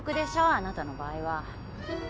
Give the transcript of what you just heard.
あなたの場合は。